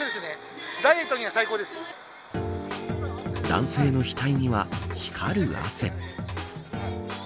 男性の額には光る汗。